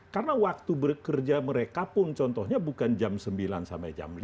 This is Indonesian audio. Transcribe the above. karena waktu bekerja mereka pun contohnya bukan jam sembilan sampai jam lima